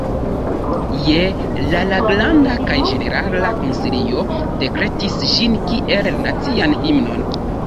Je la la Granda kaj Ĝenerala Konsilio dekretis ĝin kiel nacian himnon.